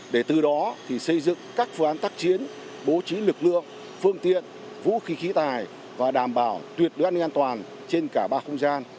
để từ đó xây dựng các phương án tác chiến bố trí lực lượng phương tiện vũ khí khí tài và đảm bảo tuyệt đối an toàn trên cả ba không gian